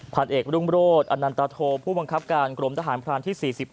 ผ่านเอกรุ่งโบรสอันนันตาโทผู้บังคับการกลมทหารพลานที่๔๕